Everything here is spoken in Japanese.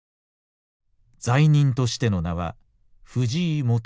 罪人としての名は藤井元彦。